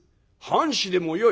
「半紙でもよい」。